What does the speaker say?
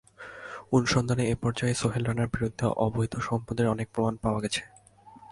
অনুসন্ধানের এ পর্যায়ে সোহেল রানার বিরুদ্ধে অবৈধ সম্পদের অনেক প্রমাণ পাওয়া গেছে।